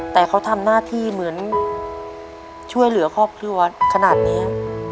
แต่เขาทำหน้าที่เหมือนช่วยเหลือครอบครัวขนาดนี้